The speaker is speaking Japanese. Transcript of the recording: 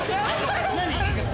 何？